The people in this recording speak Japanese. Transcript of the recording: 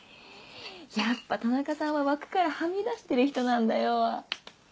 やっぱ田中さんは枠からはみ出してる人なんだよ。